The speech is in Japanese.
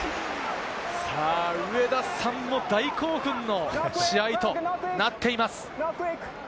上田さんも大興奮の試合となっています。